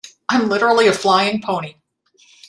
I'm literally a flying pony.